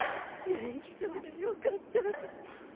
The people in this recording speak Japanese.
元気そうでよかった。